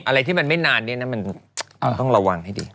อะไรที่มันไม่นานเนี่ยนะมันต้องระวังให้ดี